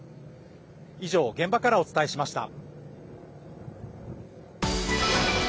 以上、現場からお伝えしました。